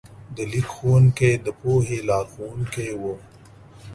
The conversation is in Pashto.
د لیک ښوونکي د پوهې لارښوونکي وو.